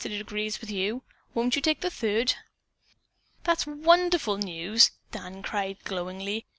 It agrees with you. Won't you take the third?" "That's wonderful news!" Dan cried glowingly.